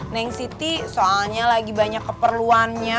neng city soalnya lagi banyak keperluannya